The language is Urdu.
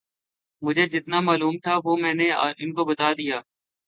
مجھے جتنا معلوم تھا وہ میں نے ان کو بتا دیا